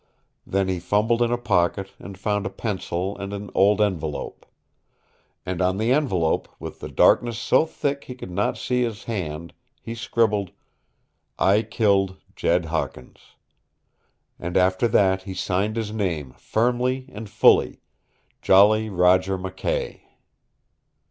Then he fumbled in a pocket and found a pencil and an old envelope. And on the envelope, with the darkness so thick he could not see his hand, he scribbled, "I killed Jed Hawkins," and after that he signed his name firmly and fully "Jolly Roger McKay."